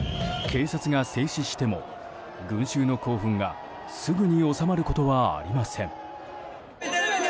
警察が静止しても群衆の興奮がすぐに収まることはありません。